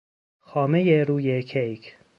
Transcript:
خامه روی کیک